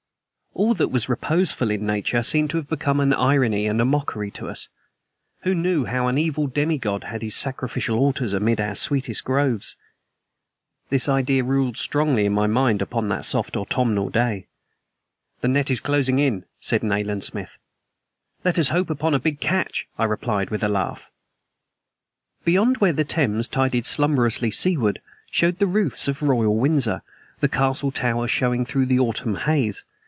All that was reposeful in nature seemed to have become an irony and a mockery to us who knew how an evil demigod had his sacrificial altars amid our sweetest groves. This idea ruled strongly in my mind upon that soft autumnal day. "The net is closing in," said Nayland Smith. "Let us hope upon a big catch," I replied, with a laugh. Beyond where the Thames tided slumberously seaward showed the roofs of Royal Windsor, the castle towers showing through the autumn haze.